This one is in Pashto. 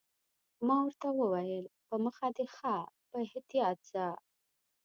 ما ورته وویل: په مخه دې ښه، په احتیاط ځه.